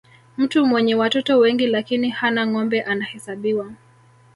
mtu mwenye watoto wengi lakini hana ngombe anahesabiwa